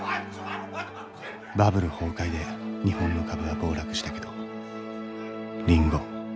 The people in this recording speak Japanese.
バブル崩壊で日本の株は暴落したけどリンゴ